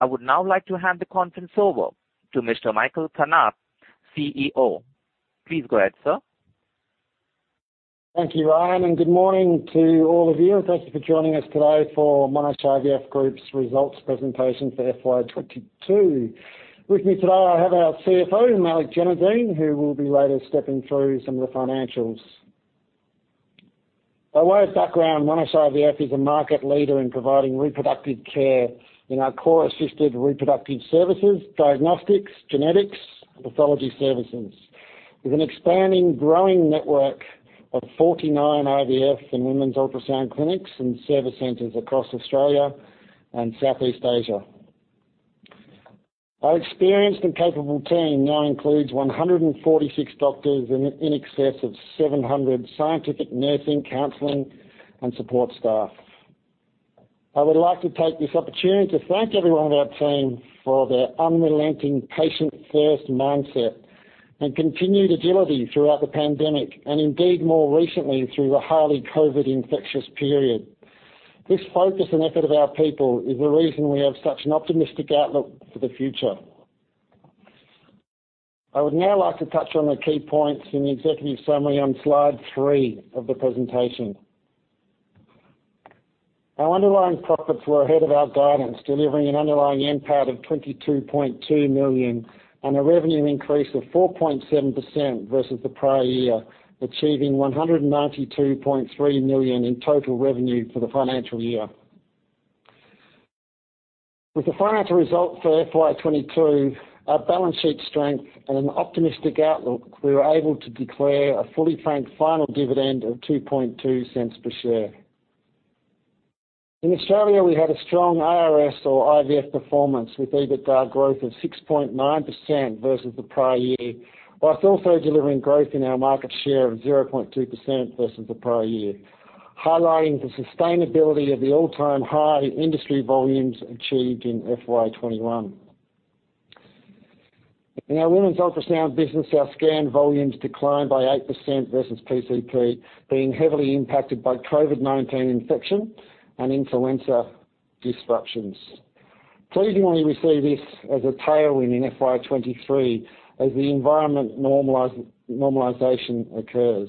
I would now like to hand the conference over to Mr. Michael Knaap, CEO. Please go ahead, sir. Thank you, Ryan, and good morning to all of you, and thank you for joining us today for Monash IVF Group's results presentation for FY 2022. With me today, I have our CFO, Malik Jainudeen, who will be later stepping through some of the financials. By way of background, Monash IVF is a market leader in providing reproductive care in our core assisted reproductive services, diagnostics, genetics, and pathology services. With an expanding, growing network of 49 IVF and women's ultrasound clinics and service centers across Australia and Southeast Asia. Our experienced and capable team now includes 146 doctors and in excess of 700 scientific nursing, counseling, and support staff. I would like to take this opportunity to thank everyone on our team for their unrelenting patient-first mindset and continued agility throughout the pandemic, and indeed more recently through the highly infectious COVID period. This focus and effort of our people is the reason we have such an optimistic outlook for the future. I would now like to touch on the key points in the executive summary on slide three of the presentation. Our underlying profits were ahead of our guidance, delivering an underlying NPAT of 22.2 million and a revenue increase of 4.7% versus the prior year, achieving 192.3 million in total revenue for the financial year. With the financial result for FY 2022, our balance sheet strength and an optimistic outlook, we were able to declare a fully frank final dividend of 0.022 per share. In Australia, we had a strong ARS or IVF performance, with EBITDA growth of 6.9% versus the prior year, while also delivering growth in our market share of 0.2% versus the prior year, highlighting the sustainability of the all-time high industry volumes achieved in FY 2021. In our women's ultrasound business, our scan volumes declined by 8% versus PCP, being heavily impacted by COVID-19 infection and influenza disruptions. Pleasingly, we see this as a tailwind in FY 2023 as the environment normalization occurs.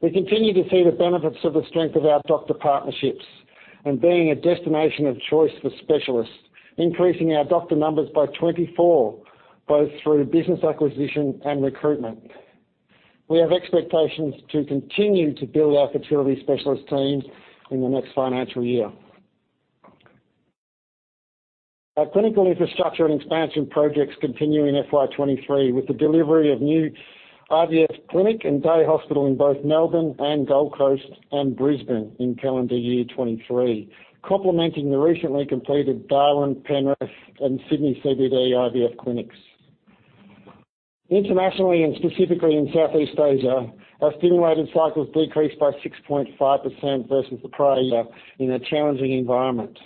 We continue to see the benefits of the strength of our doctor partnerships and being a destination of choice for specialists, increasing our doctor numbers by 24, both through business acquisition and recruitment. We have expectations to continue to build our fertility specialist team in the next financial year. Our clinical infrastructure and expansion projects continue in FY 2023 with the delivery of new IVF clinic and day hospital in both Melbourne and Gold Coast and Brisbane in calendar year 2023, complementing the recently completed Darwin, Penrith, and Sydney CBD IVF clinics. Internationally, and specifically in Southeast Asia, our stimulated cycles decreased by 6.5% versus the prior year in a challenging environment.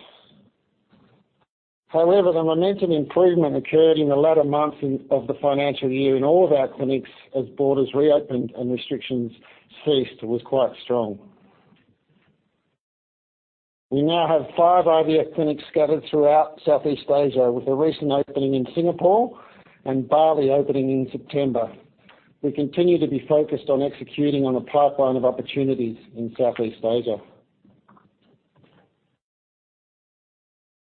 However, the momentum improvement occurred in the latter months of the financial year in all of our clinics as borders reopened and restrictions ceased, was quite strong. We now have five IVF clinics scattered throughout Southeast Asia, with a recent opening in Singapore and Bali opening in September. We continue to be focused on executing on a pipeline of opportunities in Southeast Asia.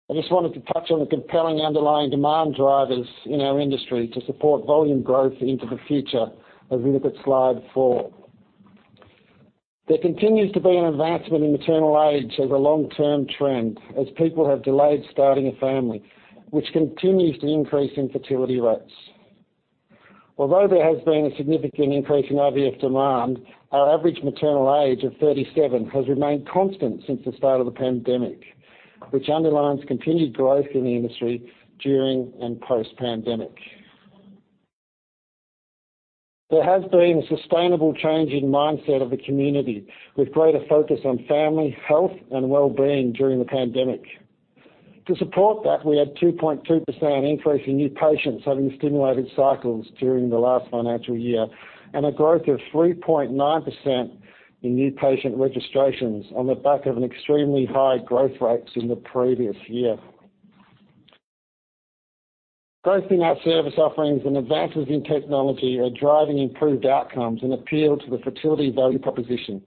I just wanted to touch on the compelling underlying demand drivers in our industry to support volume growth into the future as we look at slide four. There continues to be an advancement in maternal age as a long-term trend as people have delayed starting a family, which continues to increase infertility rates. Although there has been a significant increase in IVF demand, our average maternal age of 37 has remained constant since the start of the pandemic, which underlines continued growth in the industry during and post-pandemic. There has been a sustainable change in mindset of the community, with greater focus on family, health, and well-being during the pandemic. To support that, we had 2.2% increase in new patients having stimulated cycles during the last financial year and a growth of 3.9% in new patient registrations on the back of an extremely high growth rates in the previous year. Growth in our service offerings and advances in technology are driving improved outcomes and appeal to the fertility value proposition.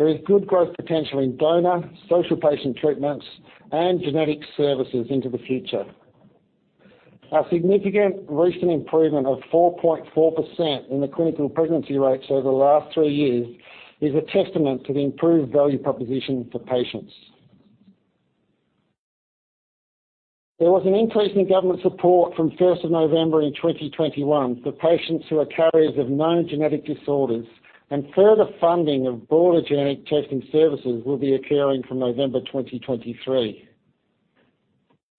There is good growth potential in donor, social patient treatments, and genetic services into the future. Our significant recent improvement of 4.4% in the clinical pregnancy rates over the last three years is a testament to the improved value proposition for patients. There was an increase in government support from first of November in 2021 for patients who are carriers of known genetic disorders, and further funding of broader genetic testing services will be occurring from November 2023.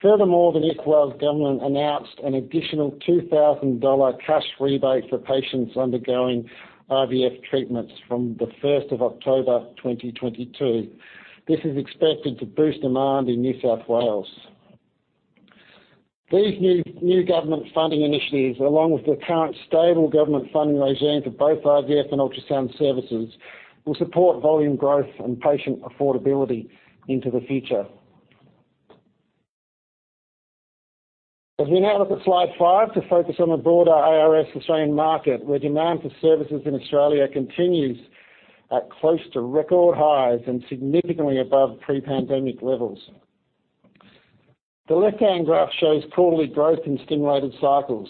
Furthermore, the New South Wales government announced an additional 2,000 dollar cash rebate for patients undergoing IVF treatments from the first of October 2022. This is expected to boost demand in New South Wales. These new government funding initiatives, along with the current stable government funding regimes of both IVF and ultrasound services, will support volume growth and patient affordability into the future. If we now look at slide five to focus on the broader ARS Australian market, where demand for services in Australia continues at close to record highs and significantly above pre-pandemic levels. The left-hand graph shows quarterly growth in stimulated cycles.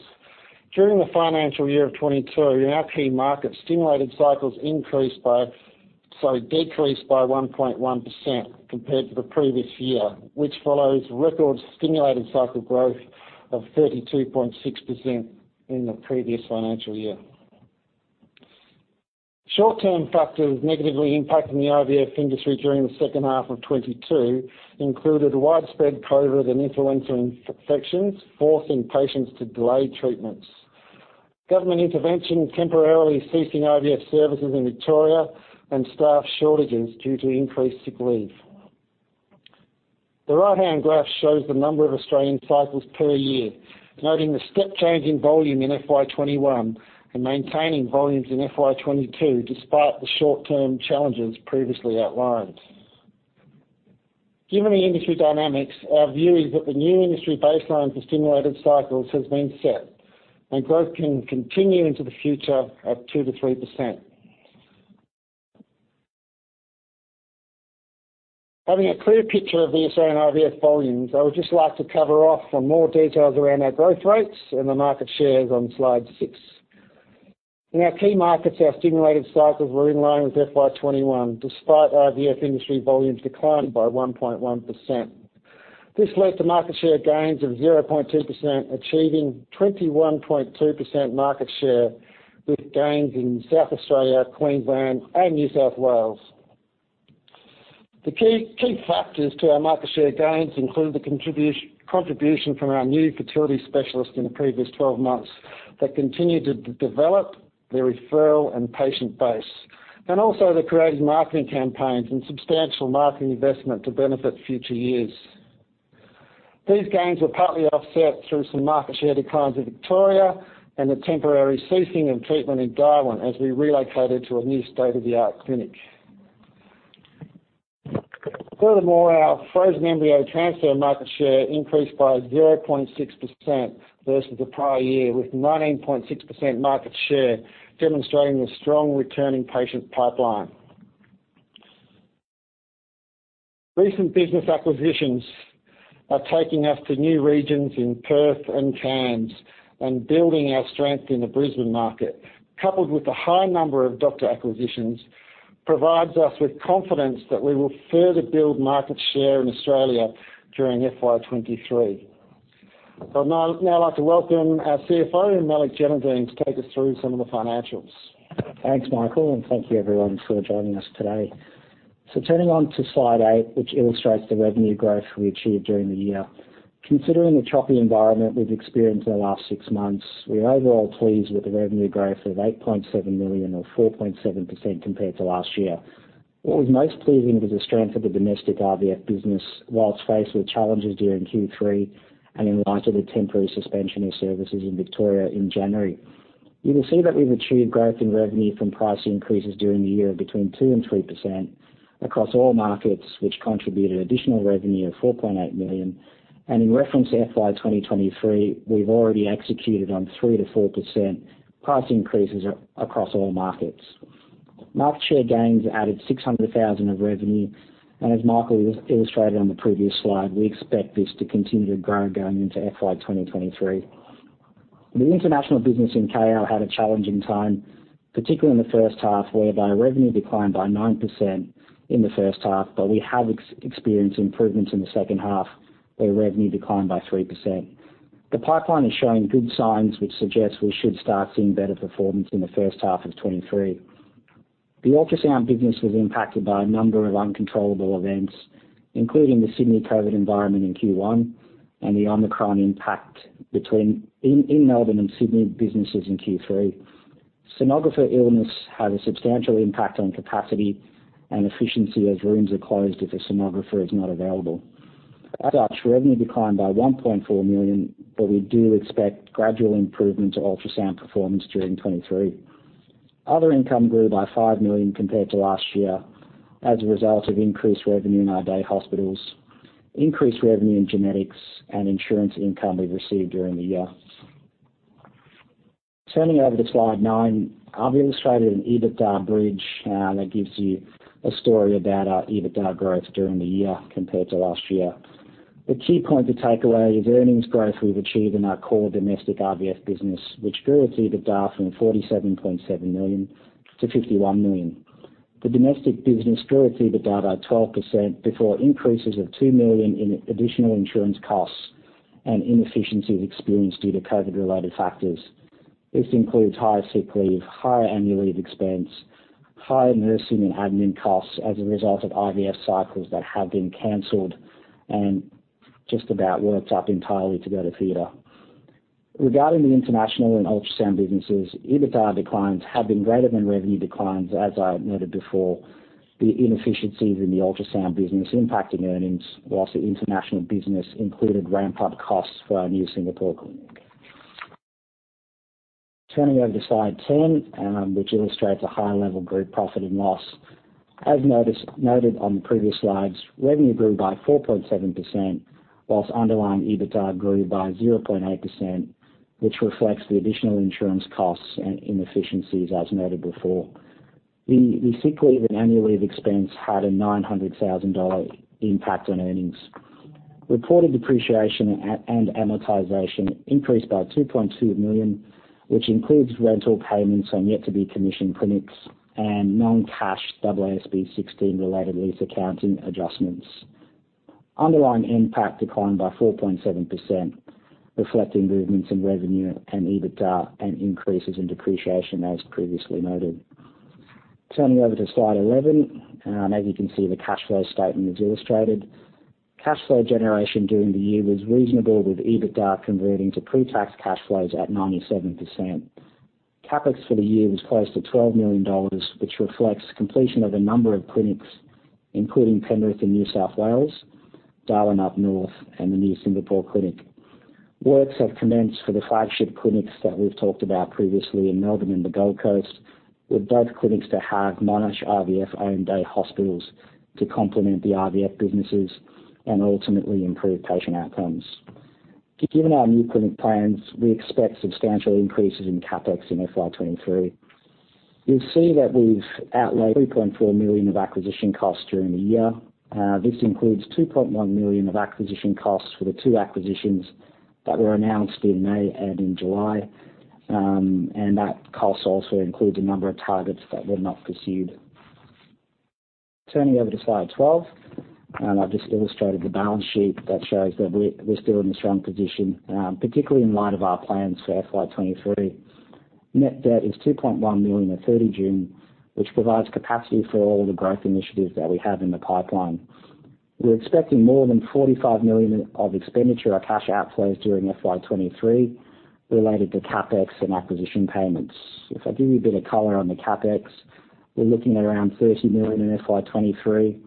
During the financial year of 2022, in our key markets, stimulated cycles decreased by 1.1% compared to the previous year, which follows record stimulated cycle growth of 32.6% in the previous financial year. Short-term factors negatively impacting the IVF industry during the second half of 2022 included widespread COVID and influenza infections, forcing patients to delay treatments, government intervention temporarily ceasing IVF services in Victoria and staff shortages due to increased sick leave. The right-hand graph shows the number of Australian cycles per year, noting the step change in volume in FY 2021, and maintaining volumes in FY 2022 despite the short-term challenges previously outlined. Given the industry dynamics, our view is that the new industry baseline for stimulated cycles has been set, and growth can continue into the future at 2%-3%. Having a clear picture of the Australian IVF volumes, I would just like to cover off on more details around our growth rates and the market shares on slide six. In our key markets, our stimulated cycles were in line with FY 2021, despite IVF industry volumes declining by 1.1%. This led to market share gains of 0.2%, achieving 21.2% market share with gains in South Australia, Queensland and New South Wales. The key factors to our market share gains include the contribution from our new fertility specialists in the previous 12 months that continue to develop the referral and patient base, and also the creative marketing campaigns and substantial marketing investment to benefit future years. These gains were partly offset through some market share declines in Victoria and the temporary ceasing of treatment in Darwin as we relocated to a new state-of-the-art clinic. Furthermore, our frozen embryo transfer market share increased by 0.6% versus the prior year, with 19.6% market share demonstrating a strong returning patient pipeline. Recent business acquisitions are taking us to new regions in Perth and Cairns, and building our strength in the Brisbane market. Coupled with a high number of doctor acquisitions, provides us with confidence that we will further build market share in Australia during FY 2023. I'd now like to welcome our CFO, Malik Jainudeen, to take us through some of the financials. Thanks, Michael, and thank you everyone for joining us today. Turning to slide eight, which illustrates the revenue growth we achieved during the year. Considering the choppy environment we've experienced in the last six months, we are overall pleased with the revenue growth of 8.7 million, or 4.7% compared to last year. What was most pleasing was the strength of the domestic IVF business while faced with challenges during Q3 and in light of the temporary suspension of services in Victoria in January. You can see that we've achieved growth in revenue from price increases during the year of between 2% and 3% across all markets, which contributed additional revenue of 4.8 million, and in reference to FY 2023, we've already executed on 3%-4% price increases across all markets. Market share gains added 600,000 of revenue, and as Michael well-illustrated on the previous slide, we expect this to continue to grow going into FY 2023. The international business in KL had a challenging time, particularly in the first half, whereby revenue declined by 9% in the first half, but we have experienced improvements in the second half, where revenue declined by 3%. The pipeline is showing good signs, which suggests we should start seeing better performance in the first half of 2023. The ultrasound business was impacted by a number of uncontrollable events, including the Sydney COVID environment in Q1 and the Omicron impact in Melbourne and Sydney businesses in Q3. Sonographer illness had a substantial impact on capacity and efficiency as rooms are closed if a sonographer is not available. As such, revenue declined by 1.4 million, but we do expect gradual improvement to ultrasound performance during 2023. Other income grew by 5 million compared to last year as a result of increased revenue in our day hospitals, increased revenue in genetics and insurance income we received during the year. Turning over to slide nine, I've illustrated an EBITDA bridge that gives you a story about our EBITDA growth during the year compared to last year. The key point to take away is earnings growth we've achieved in our core domestic IVF business, which grew EBITDA from 47.7 million to 51 million. The domestic business grew EBITDA by 12% before increases of 2 million in additional insurance costs and inefficiencies experienced due to COVID-related factors. This includes higher sick leave, higher annual leave expense, higher nursing and admin costs as a result of IVF cycles that have been canceled and just about worked up entirely to go to theater. Regarding the international and ultrasound businesses, EBITDA declines have been greater than revenue declines, as I noted before, the inefficiencies in the ultrasound business impacted earnings, while the international business included ramp-up costs for our new Singapore clinic. Turning over to slide 10, which illustrates a high-level group profit and loss. As noted on the previous slides, revenue grew by 4.7%, while underlying EBITDA grew by 0.8%, which reflects the additional insurance costs and inefficiencies as noted before. The sick leave and annual leave expense had a 900,000 dollar impact on earnings. Reported depreciation and amortization increased by 2.2 million, which includes rental payments on yet-to-be-commissioned clinics and non-cash AASB 16 related lease accounting adjustments. Underlying NPAT declined by 4.7%, reflecting movements in revenue and EBITDA and increases in depreciation as previously noted. Turning over to slide 11. As you can see, the cash flow statement is illustrated. Cash flow generation during the year was reasonable, with EBITDA converting to pre-tax cash flows at 97%. CapEx for the year was close to 12 million dollars, which reflects completion of a number of clinics, including Penrith in New South Wales, Darwin up north, and the new Singapore clinic. Works have commenced for the flagship clinics that we've talked about previously in Melbourne and the Gold Coast, with both clinics to have Monash IVF owned day hospitals to complement the IVF businesses and ultimately improve patient outcomes. Given our new clinic plans, we expect substantial increases in CapEx in FY 2023. You'll see that we've outlaid 3.4 million of acquisition costs during the year. This includes 2.1 million of acquisition costs for the two acquisitions that were announced in May and in July. That cost also includes a number of targets that were not pursued. Turning over to slide 12. I've just illustrated the balance sheet that shows that we're still in a strong position, particularly in light of our plans for FY 2023. Net debt is 2.1 million at June 30th, which provides capacity for all the growth initiatives that we have in the pipeline. We're expecting more than 45 million of expenditure or cash outflows during FY 2023 related to CapEx and acquisition payments. If I give you a bit of color on the CapEx, we're looking at around 30 million in FY 2023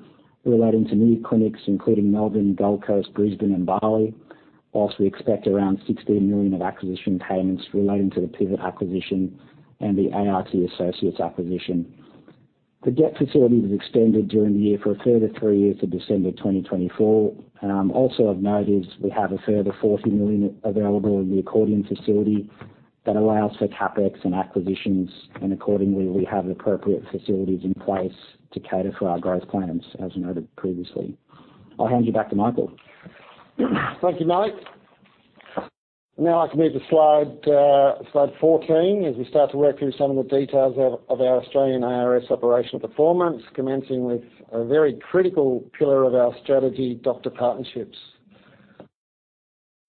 relating to new clinics, including Melbourne, Gold Coast, Brisbane, and Bali. While we expect around 16 million of acquisition payments relating to the PIVET acquisition and the ART Associates acquisition. The debt facility was extended during the year for a further three years to December 2024. Also of note is we have a further 40 million available in the accordion facility that allows for CapEx and acquisitions, and accordingly, we have appropriate facilities in place to cater for our growth plans, as we noted previously. I'll hand you back to Michael. Thank you, Malik. Now I can move to slide 14 as we start to work through some of the details of our Australian ARS operational performance, commencing with a very critical pillar of our strategy, doctor partnerships.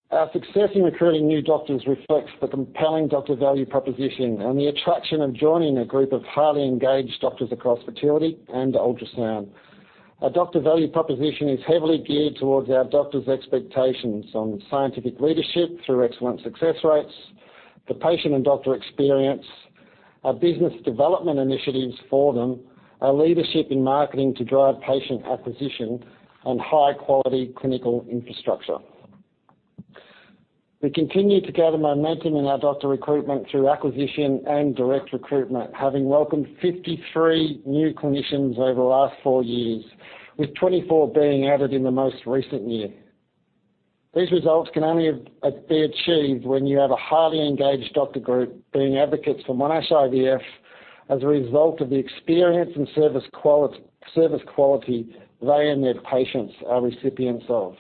Our success in recruiting new doctors reflects the compelling doctor value proposition and the attraction of joining a group of highly engaged doctors across fertility and ultrasound. Our doctor value proposition is heavily geared towards our doctors' expectations on scientific leadership through excellent success rates, the patient and doctor experience, our business development initiatives for them, our leadership in marketing to drive patient acquisition, and high-quality clinical infrastructure. We continue to gather momentum in our doctor recruitment through acquisition and direct recruitment, having welcomed 53 new clinicians over the last four years, with 24 being added in the most recent year. These results can only be achieved when you have a highly engaged doctor group being advocates for Monash IVF as a result of the experience and service quality they and their patients are recipients of.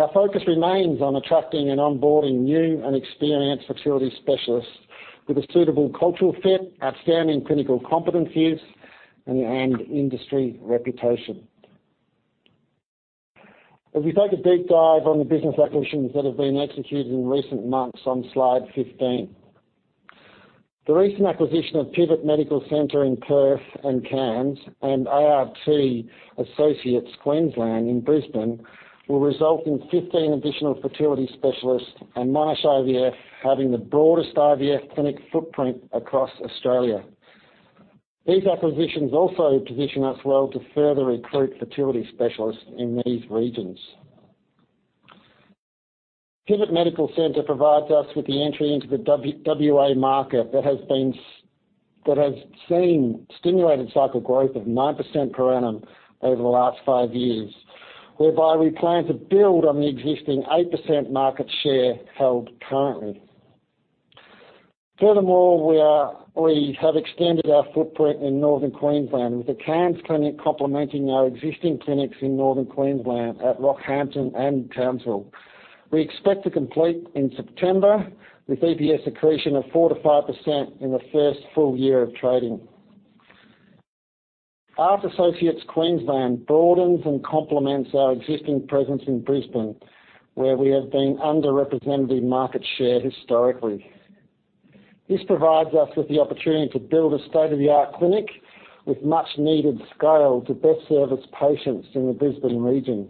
Our focus remains on attracting and onboarding new and experienced fertility specialists with a suitable cultural fit, outstanding clinical competencies, and industry reputation. As we take a deep dive on the business acquisitions that have been executed in recent months on slide 15. The recent acquisition of PIVET Medical Centre in Perth and Cairns and ART Associates Queensland in Brisbane will result in 15 additional fertility specialists and Monash IVF having the broadest IVF clinic footprint across Australia. These acquisitions also position us well to further recruit fertility specialists in these regions. PIVET Medical Centre provides us with the entry into the WA market that has seen stimulated cycles growth of 9% per annum over the last 5 years, whereby we plan to build on the existing 8% market share held currently. Furthermore, we have extended our footprint in Northern Queensland, with the Cairns clinic complementing our existing clinics in Northern Queensland at Rockhampton and Townsville. We expect to complete in September with EPS accretion of 4%-5% in the first full year of trading. ART Associates Queensland broadens and complements our existing presence in Brisbane, where we have been underrepresented in market share historically. This provides us with the opportunity to build a state-of-the-art clinic with much needed scale to best service patients in the Brisbane region.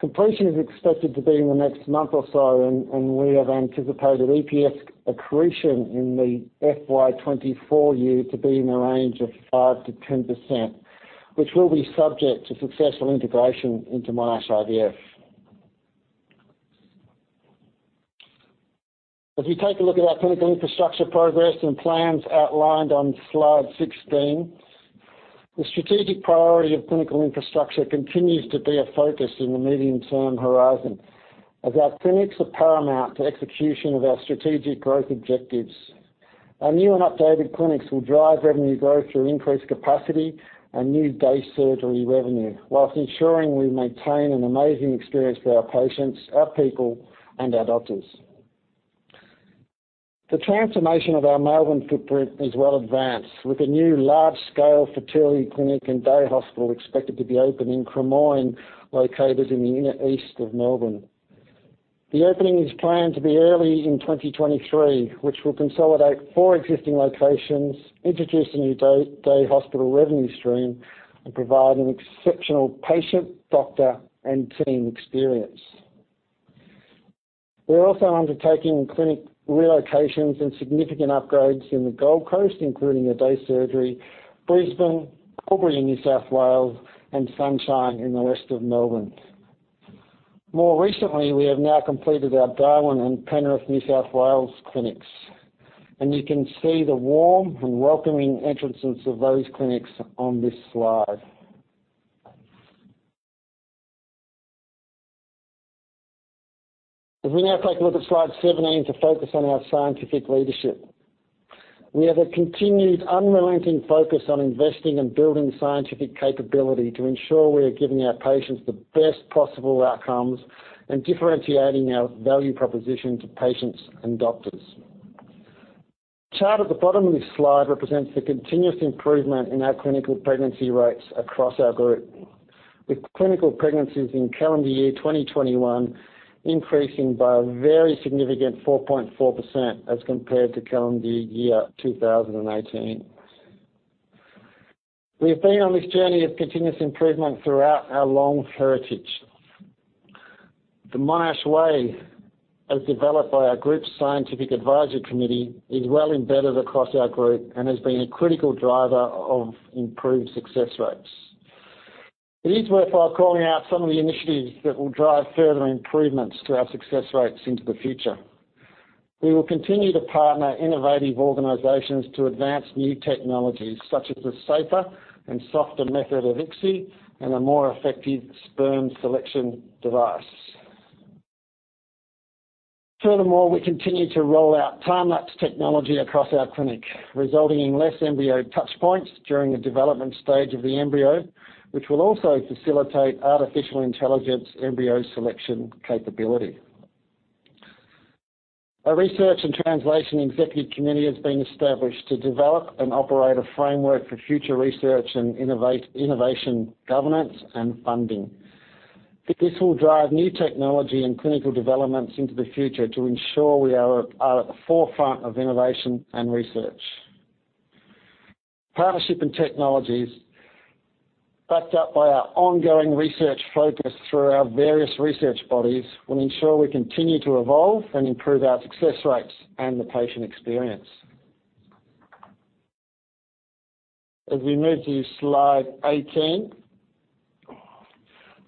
Completion is expected to be in the next month or so, and we have anticipated EPS accretion in the FY 2024 year to be in the range of 5%-10%, which will be subject to successful integration into Monash IVF. If you take a look at our clinical infrastructure progress and plans outlined on slide 16, the strategic priority of clinical infrastructure continues to be a focus in the medium-term horizon as our clinics are paramount to execution of our strategic growth objectives. Our new and updated clinics will drive revenue growth through increased capacity and new day surgery revenue, while ensuring we maintain an amazing experience for our patients, our people, and our doctors. The transformation of our Melbourne footprint is well advanced, with a new large-scale fertility clinic and day hospital expected to be open in Cremorne, located in the inner east of Melbourne. The opening is planned to be early in 2023, which will consolidate four existing locations, introduce a new day hospital revenue stream, and provide an exceptional patient, doctor, and team experience. We're also undertaking clinic relocations and significant upgrades in the Gold Coast, including a day surgery, Brisbane, Albury in New South Wales, and Sunshine in the west of Melbourne. More recently, we have now completed our Darwin and Penrith, New South Wales clinics, and you can see the warm and welcoming entrances of those clinics on this slide. If we now take a look at slide 17 to focus on our scientific leadership. We have a continued unrelenting focus on investing and building scientific capability to ensure we are giving our patients the best possible outcomes and differentiating our value proposition to patients and doctors. The chart at the bottom of this slide represents the continuous improvement in our clinical pregnancy rates across our group, with clinical pregnancies in calendar year 2021 increasing by a very significant 4.4% as compared to calendar year 2018. We have been on this journey of continuous improvement throughout our long heritage. The Monash Way, as developed by our group's scientific advisory committee, is well embedded across our group and has been a critical driver of improved success rates. It is worthwhile calling out some of the initiatives that will drive further improvements to our success rates into the future. We will continue to partner innovative organizations to advance new technologies, such as the safer and softer method of ICSI and a more effective sperm selection device. Furthermore, we continue to roll out Time-lapse technology across our clinic, resulting in less embryo touch points during the development stage of the embryo, which will also facilitate artificial intelligence embryo selection capability. Our research and translation executive committee has been established to develop and operate a framework for future research and innovation governance and funding. This will drive new technology and clinical developments into the future to ensure we are at the forefront of innovation and research. Partnership and technologies, backed up by our ongoing research focus through our various research bodies, will ensure we continue to evolve and improve our success rates and the patient experience. As we move to slide 18,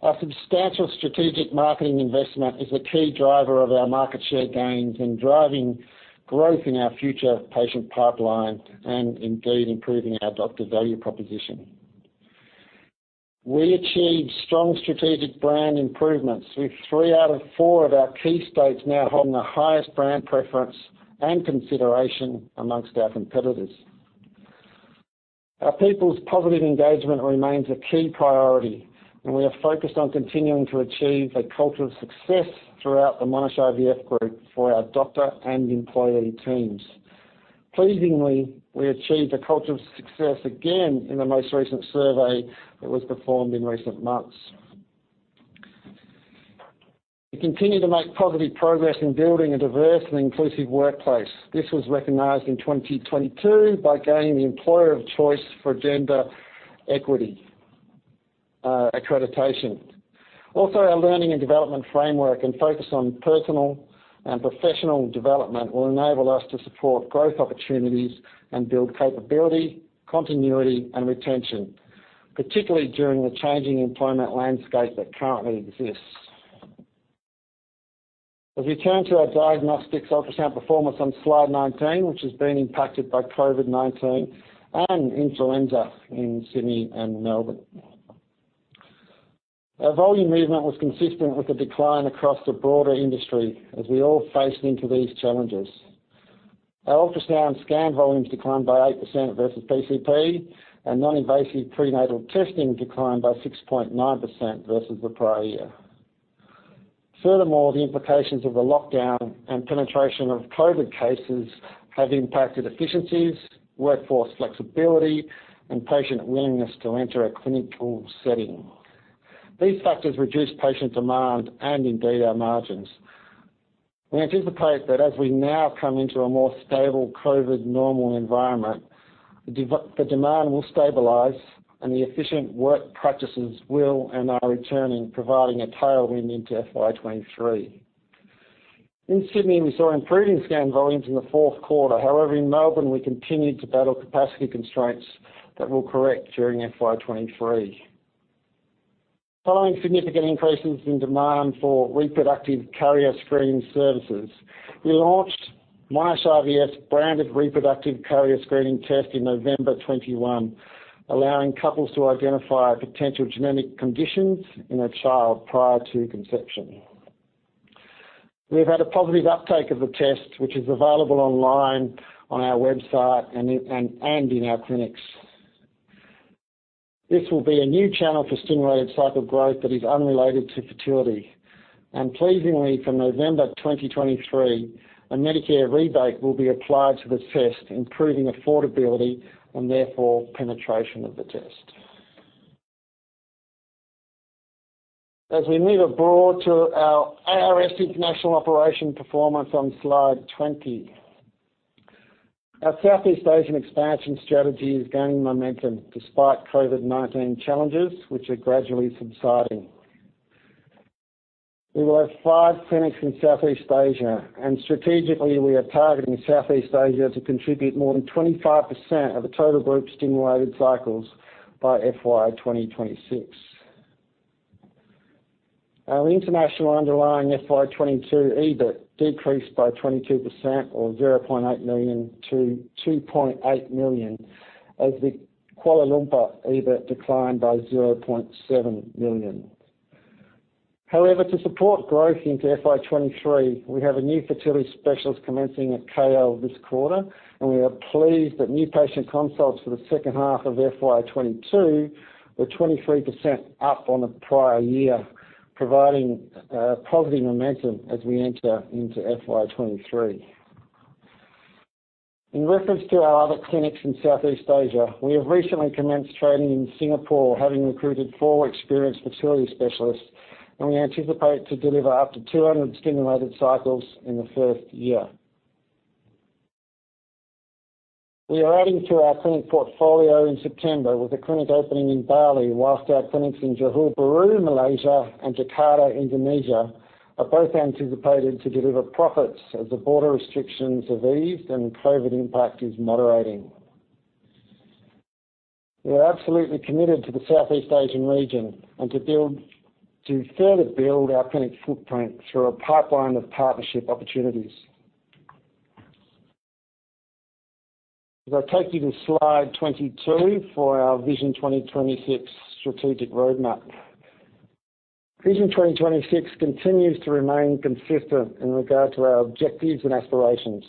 our substantial strategic marketing investment is a key driver of our market share gains and driving growth in our future patient pipeline and indeed improving our doctor value proposition. We achieved strong strategic brand improvements, with three out of four of our key states now holding the highest brand preference and consideration among our competitors. Our people's positive engagement remains a key priority, and we are focused on continuing to achieve a culture of success throughout the Monash IVF Group for our doctor and employee teams. Pleasingly, we achieved a culture of success again in the most recent survey that was performed in recent months. We continue to make positive progress in building a diverse and inclusive workplace. This was recognized in 2022 by gaining the Employer of Choice for Gender Equity accreditation. Also, our learning and development framework and focus on personal and professional development will enable us to support growth opportunities and build capability, continuity, and retention, particularly during the changing employment landscape that currently exists. If we turn to our diagnostic ultrasound performance on slide 19, which has been impacted by COVID-19 and influenza in Sydney and Melbourne. Our volume movement was consistent with the decline across the broader industry as we all faced into these challenges. Our ultrasound scan volumes declined by 8% versus PCP and non-invasive prenatal testing declined by 6.9% versus the prior year. Furthermore, the implications of the lockdown and penetration of COVID cases have impacted efficiencies, workforce flexibility, and patient willingness to enter a clinical setting. These factors reduce patient demand and indeed our margins. We anticipate that as we now come into a more stable COVID normal environment, the demand will stabilize and the efficient work practices will and are returning, providing a tailwind into FY 2023. In Sydney, we saw improving scan volumes in the Q4. However, in Melbourne, we continued to battle capacity constraints that will correct during FY 2023. Following significant increases in demand for reproductive carrier screening services, we launched Monash IVF's branded reproductive carrier screening test in November 2021, allowing couples to identify potential genetic conditions in a child prior to conception. We've had a positive uptake of the test, which is available online, on our website, and in our clinics. This will be a new channel for stimulated cycle growth that is unrelated to fertility. Pleasingly, from November 2023, a Medicare rebate will be applied to the test, improving affordability and therefore penetration of the test. As we move abroad to our ARS international operation performance on slide 20, our Southeast Asian expansion strategy is gaining momentum despite COVID-19 challenges, which are gradually subsiding. We will have five clinics in Southeast Asia, and strategically, we are targeting Southeast Asia to contribute more than 25% of the total group stimulated cycles by FY 2026. Our international underlying FY 2022 EBIT decreased by 22% or 0.8 million to 2.8 million as the Kuala Lumpur EBIT declined by 0.7 million. However, to support growth into FY 2023, we have a new fertility specialist commencing at KL this quarter, and we are pleased that new patient consults for the second half of FY 2022 were 23% up on the prior year, providing positive momentum as we enter into FY 2023. In reference to our other clinics in Southeast Asia, we have recently commenced trading in Singapore, having recruited four experienced fertility specialists, and we anticipate to deliver up to 200 stimulated cycles in the first year. We are adding to our clinic portfolio in September with a clinic opening in Bali, while our clinics in Johor Bahru, Malaysia, and Jakarta, Indonesia, are both anticipated to deliver profits as the border restrictions have eased and COVID impact is moderating. We are absolutely committed to the Southeast Asian region to further build our clinic footprint through a pipeline of partnership opportunities. As I take you to slide 22 for our Vision 2026 strategic roadmap. Vision 2026 continues to remain consistent in regard to our objectives and aspirations.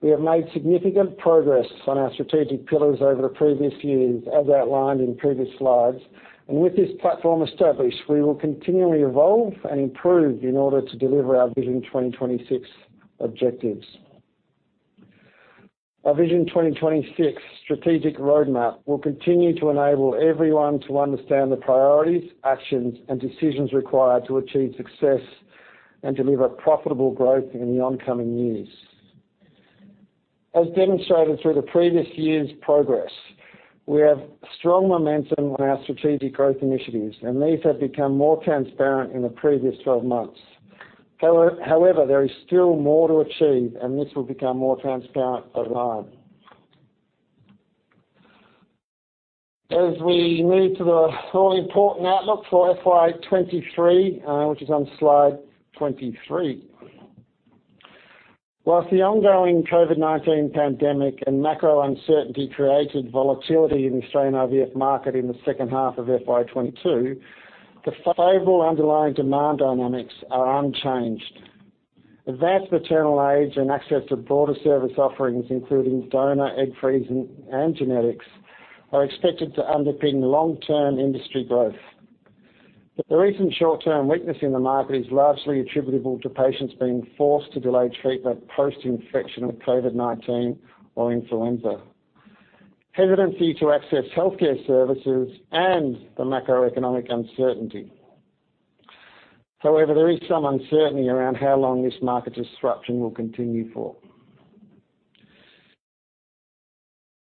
We have made significant progress on our strategic pillars over the previous years as outlined in previous slides. With this platform established, we will continually evolve and improve in order to deliver our Vision 2026 objectives. Our Vision 2026 strategic roadmap will continue to enable everyone to understand the priorities, actions, and decisions required to achieve success and deliver profitable growth in the oncoming years. As demonstrated through the previous year's progress, we have strong momentum on our strategic growth initiatives, and these have become more transparent in the previous twelve months. However, there is still more to achieve, and this will become more transparent over time. As we move to the all-important outlook for FY 2023, which is on slide 23. While the ongoing COVID-19 pandemic and macro uncertainty created volatility in the Australian IVF market in the second half of FY 2022, the favorable underlying demand dynamics are unchanged. Advanced maternal age and access to broader service offerings, including donor egg freezing and genetics, are expected to underpin long-term industry growth. The recent short-term weakness in the market is largely attributable to patients being forced to delay treatment post-infection with COVID-19 or influenza, hesitancy to access healthcare services, and the macroeconomic uncertainty. However, there is some uncertainty around how long this market disruption will continue for.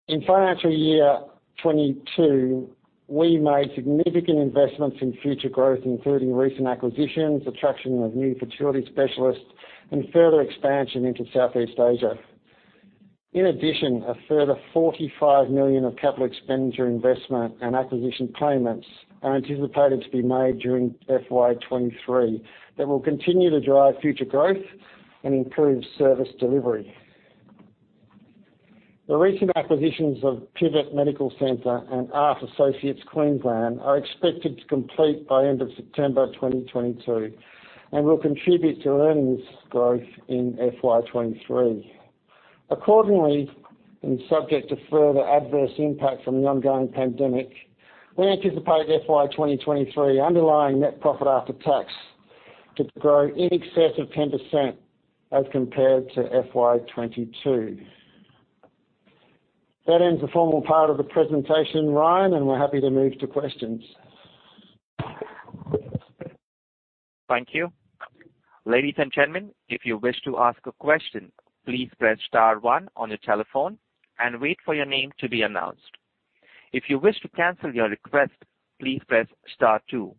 In financial year 22, we made significant investments in future growth, including recent acquisitions, attraction of new fertility specialists, and further expansion into Southeast Asia. In addition, a further 45 million of capital expenditure investment and acquisition payments are anticipated to be made during FY 2023 that will continue to drive future growth and improve service delivery. The recent acquisitions of PIVET Medical Centre and ART Associates Queensland are expected to complete by end of September 2022 and will contribute to earnings growth in FY 2023. Accordingly, and subject to further adverse impact from the ongoing pandemic, we anticipate FY 2023 underlying net profit after tax to grow in excess of 10% as compared to FY 2022. That ends the formal part of the presentation, Ryan, and we're happy to move to questions. Thank you. Ladies and gentlemen, if you wish to ask a question, please press star one on your telephone and wait for your name to be announced. If you wish to cancel your request, please press star two.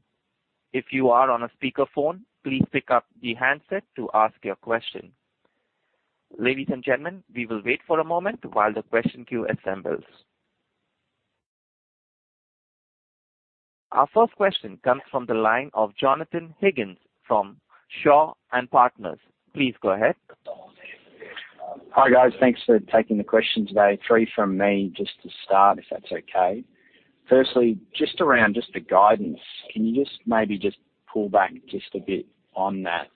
If you are on a speakerphone, please pick up the handset to ask your question. Ladies and gentlemen, we will wait for a moment while the question queue assembles. Our first question comes from the line of Jonathon Higgins from Shaw and Partners. Please go ahead. Hi, guys. Thanks for taking the question today. Three from me just to start, if that's okay. Firstly, just around just the guidance, can you just maybe just pull back just a bit on that?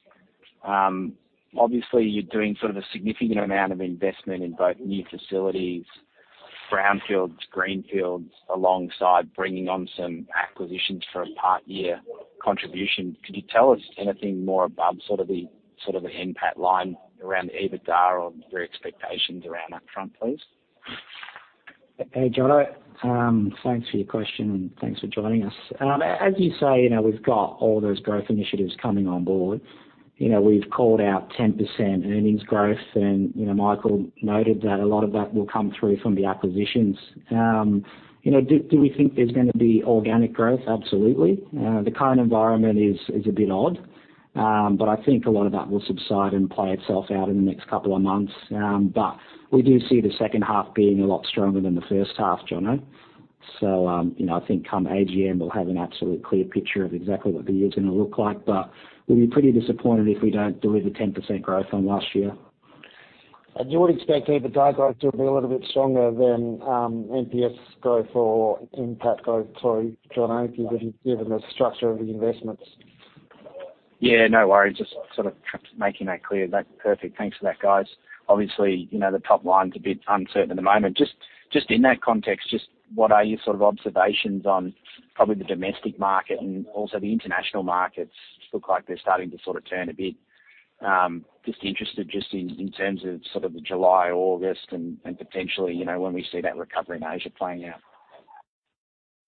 Obviously, you're doing sort of a significant amount of investment in both new facilities, brownfields, greenfields, alongside bringing on some acquisitions for a part year contribution. Could you tell us anything more above sort of the NPAT line around the EBITDA or your expectations around that front, please? Hey, Jono. Thanks for your question, and thanks for joining us. As you say, you know, we've got all those growth initiatives coming on board. You know, we've called out 10% earnings growth and, you know, Michael noted that a lot of that will come through from the acquisitions. You know, do we think there's gonna be organic growth? Absolutely. The current environment is a bit odd, but I think a lot of that will subside and play itself out in the next couple of months. We do see the second half being a lot stronger than the first half, Jono. You know, I think come AGM, we'll have an absolute clear picture of exactly what the year's gonna look like. We'll be pretty disappointed if we don't deliver 10% growth on last year. I do expect EBITDA growth to be a little bit stronger than NPAT growth. Sorry, Jono, given the structure of the investments. Yeah, no worries. Just sort of making that clear. That's perfect. Thanks for that, guys. Obviously, you know, the top line's a bit uncertain at the moment. Just in that context, what are your sort of observations on probably the domestic market and also the international markets look like they're starting to sort of turn a bit. Just interested in terms of sort of the July, August and potentially, you know, when we see that recovery in Asia playing out.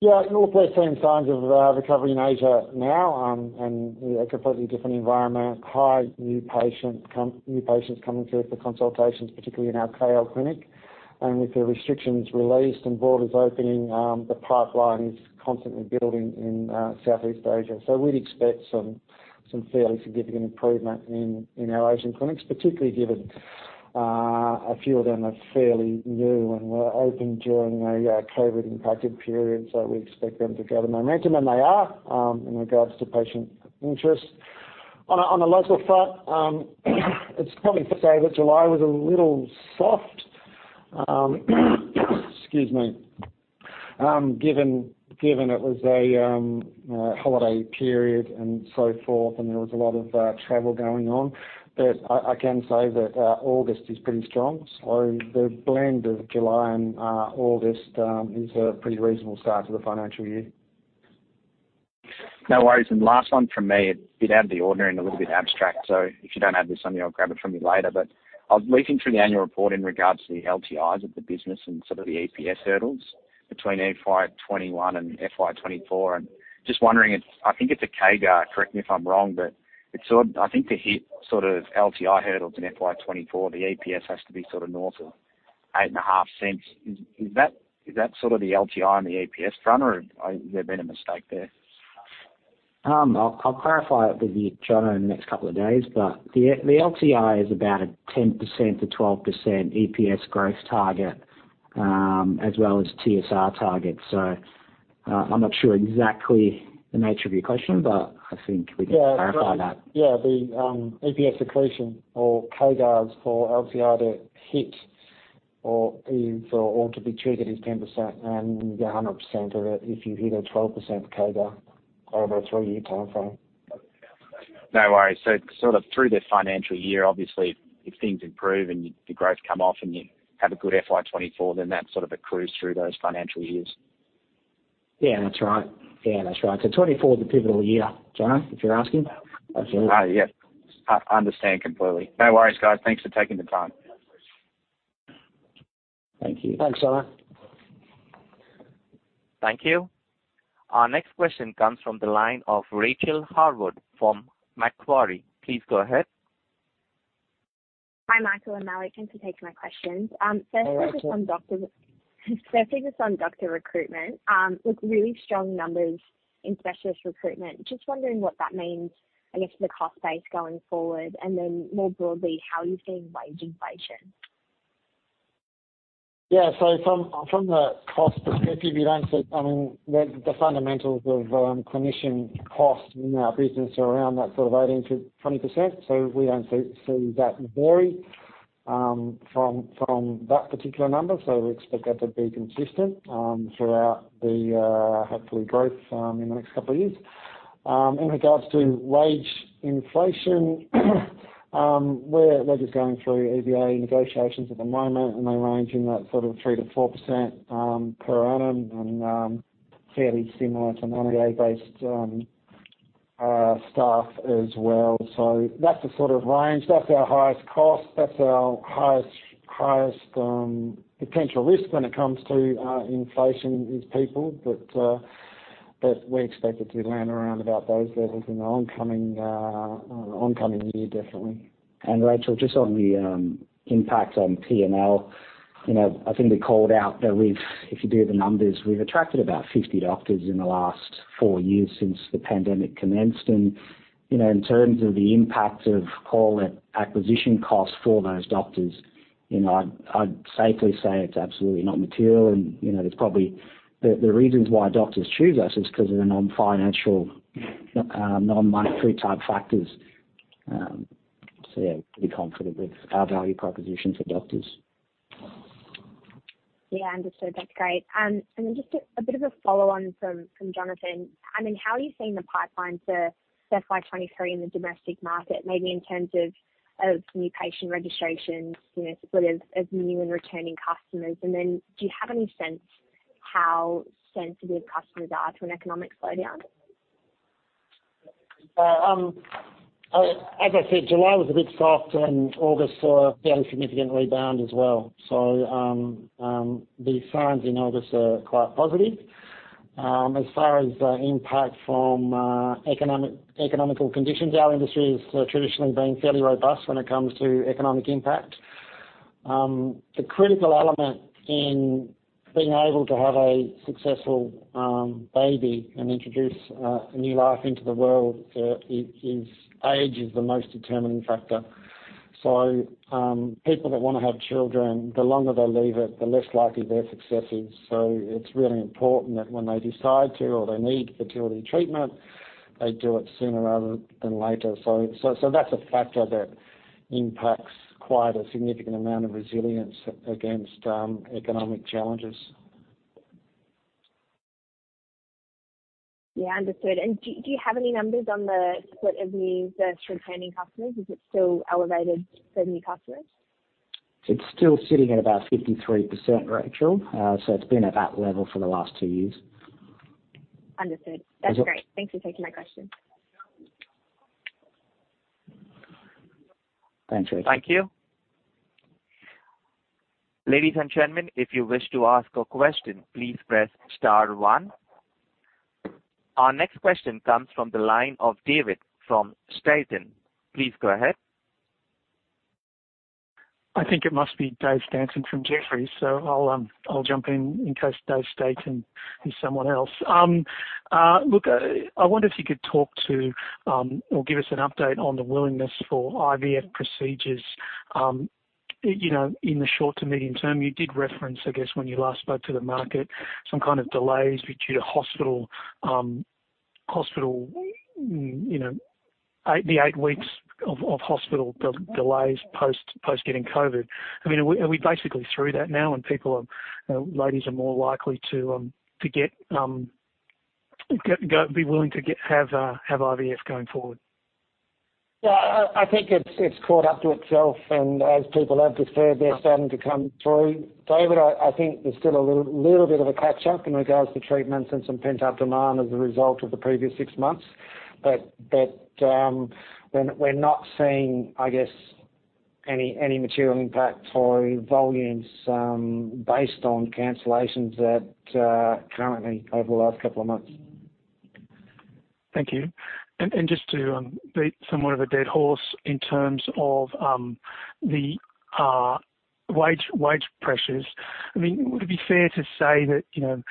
Yeah, look, we're seeing signs of recovery in Asia now, and you know, a completely different environment. High new patients coming through for consultations, particularly in our KL clinic. With the restrictions released and borders opening, the pipeline is constantly building in Southeast Asia. We'd expect some fairly significant improvement in our Asian clinics, particularly given a few of them are fairly new and were opened during a COVID-impacted period. We expect them to gather momentum, and they are in regards to patient interest. On a local front, it's probably fair to say that July was a little soft, excuse me, given it was a holiday period and so forth, and there was a lot of travel going on. I can say that August is pretty strong. The blend of July and August is a pretty reasonable start to the financial year. No worries. Last one from me, a bit out of the ordinary and a little bit abstract, so if you don't have this on you, I'll grab it from you later. I was leafing through the annual report in regards to the LTIs of the business and some of the EPS hurdles between FY 2021 and FY 2024. Just wondering, I think it's a CAGR, correct me if I'm wrong, but I think to hit sort of LTI hurdles in FY 2024, the EPS has to be sort of north of 0.085. Is that sort of the LTI on the EPS front or there've been a mistake there? I'll clarify it with you, Jono, in the next couple of days, but the LTI is about a 10%-12% EPS growth target, as well as TSR targets. I'm not sure exactly the nature of your question, but I think we can clarify that. Yeah. The EPS accretion or CAGRs for LTI to hit or to be triggered is 10%, and you get 100% of it if you hit a 12% CAGR over a three-year timeframe. No worries. Sort of through the financial year, obviously, if things improve and the growth come off and you have a good FY 2024, then that sort of accrues through those financial years. Yeah, that's right. 2024 is the pivotal year. Jono, if you're asking. Absolutely. Oh, yeah. I understand completely. No worries, guys. Thanks for taking the time. Thank you. Thanks, Jono. Thank you. Our next question comes from the line of Rachael Harwood from Macquarie. Please go ahead. Hi, Michael and Malik. Thanks for taking my questions. Hey, Rachael. Firstly, just on doctor recruitment. With really strong numbers in specialist recruitment, just wondering what that means, I guess, to the cost base going forward, and then more broadly, how you're seeing wage inflation. From the cost perspective, the fundamentals of clinician cost in our business are around that sort of 18%-20%. We don't see that vary from that particular number. We expect that to be consistent throughout the hopefully growth in the next couple of years. In regards to wage inflation, we're just going through EBA negotiations at the moment, and they range in that sort of 3%-4% per annum and fairly similar to non-EBA based our staff as well. That's the sort of range. That's our highest cost, that's our highest potential risk when it comes to inflation is people, but we expect it to land around about those levels in the oncoming year, definitely. Rachel, just on the impact on P&L. You know, I think we called out that if you do the numbers, we've attracted about 50 doctors in the last four years since the pandemic commenced. You know, in terms of the impact of call it acquisition costs for those doctors, you know, I'd safely say it's absolutely not material. You know, there's probably the reasons why doctors choose us is 'cause of the non-financial, non-monetary type factors. Yeah, pretty confident with our value proposition for doctors. Yeah, understood. That's great. Just a bit of a follow-on from Jonathan. I mean, how are you seeing the pipeline to FY 2023 in the domestic market, maybe in terms of new patient registrations, you know, sort of new and returning customers? Then do you have any sense how sensitive customers are to an economic slowdown? As I said, July was a bit soft and August saw a fairly significant rebound as well. The signs in August are quite positive. As far as the impact from economic conditions, our industry has traditionally been fairly robust when it comes to economic impact. The critical element in being able to have a successful baby and introduce a new life into the world is age the most determining factor. People that wanna have children, the longer they leave it, the less likely their success is. It's really important that when they decide to or they need fertility treatment, they do it sooner rather than later. That's a factor that impacts quite a significant amount of resilience against economic challenges. Yeah, understood. Do you have any numbers on the sort of new versus returning customers? Is it still elevated for new customers? It's still sitting at about 53%, Rachel. It's been at that level for the last two years. Understood. That's great. Thanks for taking my question. Thanks, Rachael. Thank you. Ladies and gentlemen, if you wish to ask a question, please press star one. Our next question comes from the line of David Stanton. Please go ahead. I think it must be Dave Stanton from Jefferies, so I'll jump in in case Dave Stanton from Jefferies is someone else. Look, I wonder if you could talk to or give us an update on the willingness for IVF procedures, you know, in the short to medium term. You did reference, I guess, when you last spoke to the market, some kind of delays due to hospital, you know, the eight weeks of hospital delays post getting COVID. I mean, are we basically through that now and people are, ladies are more likely to get be willing to get have IVF going forward? Yeah, I think it's caught up to itself and as people have deferred, they're starting to come through. David, I think there's still a little bit of a catch-up in regards to treatments and some pent-up demand as a result of the previous six months. We're not seeing, I guess, any material impact to volumes based on cancellations that occurred over the last couple of months. Thank you. Just to beat a dead horse in terms of the wage pressures. I mean, would it be fair to say that, you know,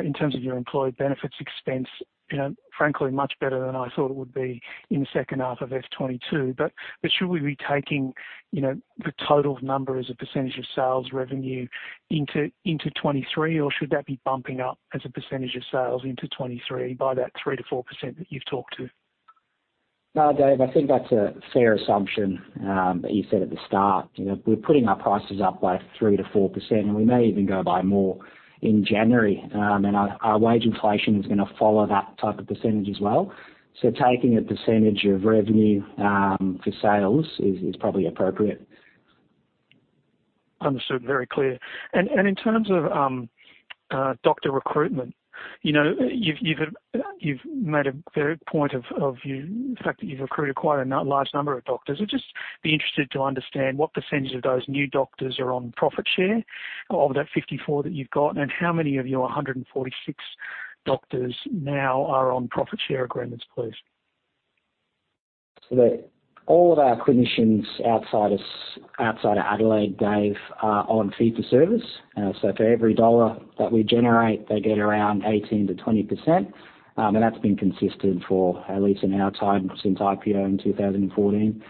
in terms of your employee benefits expense, you know, frankly, much better than I thought it would be in the second half of FY 2022, but should we be taking, you know, the total number as a percentage of sales revenue into 2023 or should that be bumping up as a percentage of sales into 2023 by that 3%-4% that you've talked to? No, David, I think that's a fair assumption that you said at the start. You know, we're putting our prices up by 3%-4%, and we may even go by more in January. Our wage inflation is gonna follow that type of percentage as well. Taking a percentage of revenue for sales is probably appropriate. Understood. Very clear. In terms of doctor recruitment, you know, you've made a fair point of the fact that you've recruited quite a large number of doctors. I'd just be interested to understand what percentage of those new doctors are on profit share of that 54 that you've got, and how many of your 146 doctors now are on profit share agreements, please? All of our clinicians outside of Adelaide, David, are on fee for service. For every AUD 1 that we generate, they get around 18%-20%. That's been consistent for at least in our time since IPO in 2014.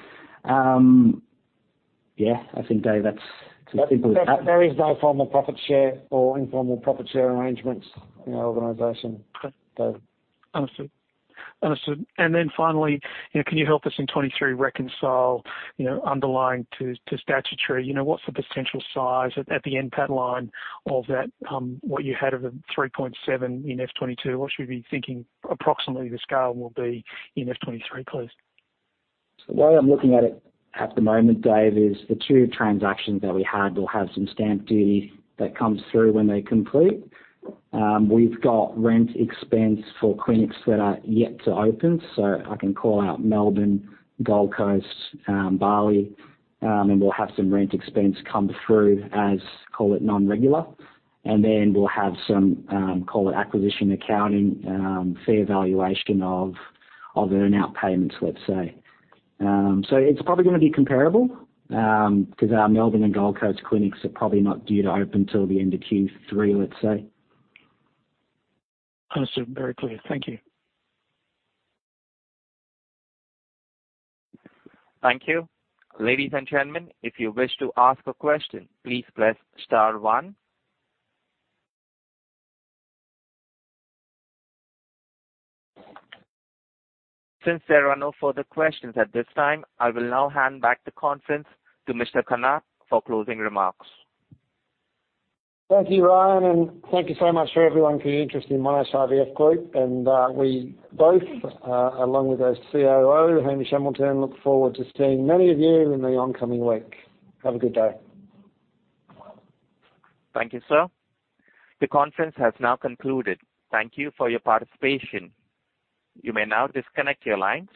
Yeah, I think, David, that's as simple as that. There is no formal profit share or informal profit share arrangements in our organization, Dave. Understood. Finally, you know, can you help us in 2023 reconcile, you know, underlying to statutory, you know, what's the potential size at the NPAT line of that, what you had of the 3.7 in FY 2022? What should we be thinking approximately the scale will be in FY 2023, please? The way I'm looking at it at the moment, Dave, is the two transactions that we had will have some stamp duty that comes through when they complete. We've got rent expense for clinics that are yet to open. I can call out Melbourne, Gold Coast, Bali, and we'll have some rent expense come through as, call it, non-regular. And then we'll have some, call it acquisition accounting, fair valuation of earn-out payments, let's say. It's probably gonna be comparable, 'cause our Melbourne and Gold Coast clinics are probably not due to open till the end of Q3, let's say. Understood. Very clear. Thank you. Thank you. Ladies and gentlemen, if you wish to ask a question, please press star one. Since there are no further questions at this time, I will now hand back the conference to Mr. Knaap for closing remarks. Thank you, Ryan, and thank you so much for everyone for your interest in Monash IVF Group. We both, along with our COO, Hamish Hamilton, look forward to seeing many of you in the oncoming week. Have a good day. Thank you, sir. The conference has now concluded. Thank you for your participation. You may now disconnect your lines.